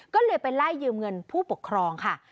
ก็เลยไปไล่ยืมเงินผู้ปกครองค่ะ